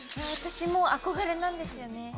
私も憧れなんですよね。